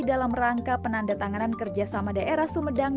dalam rangka penandatanganan kerjasama daerah sumedang